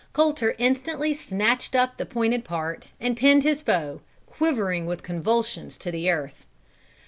Colter instantly snatched up the pointed part, and pinned his foe, quivering with convulsions to the earth.